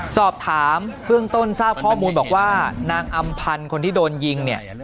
สอบถามเบื้องต้นทราบข้อมูลบอกว่านางอำพันธ์คนที่โดนยิงเนี่ย